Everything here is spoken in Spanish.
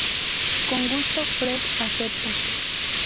Con gusto, Fred acepta.